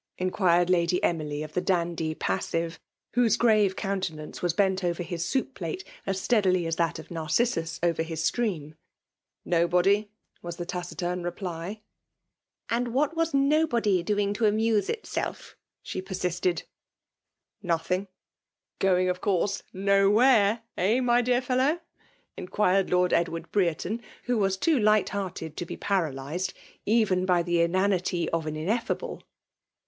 '• inquired Lady Emily of the dandy passive whose grave countenance was bent over his soup plate as steadily as that of Narcissus over his stream. '" Nobody !" was the taciturn reply. u €t FEMALE DOMTNATION. 185 ''And what was Nobody doing to amuse itself? she persisted. Nothing r Going, of course, no where, eh ?— my deai' fellow r* inquired Lord Edward Brereton, who was too light hearted to be paralysed, even by the inanity of an Ineifable.